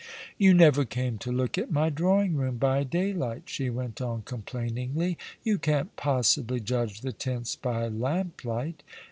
" You never came to look at my drawing room by day light," she went on complainingly. " You can't possibly judge the tints by lamp light.